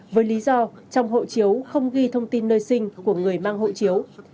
với lý do trong hộ chiếu không ghi thông tin nơi sinh của người mang hộ chiếu